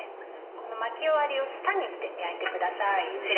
この巻き終わりを下にして焼いてください。